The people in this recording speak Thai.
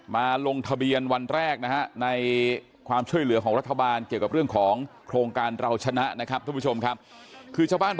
มาลงทะเบียนวันแรกนะฮะในความช่วยเหลือของรัฐบาล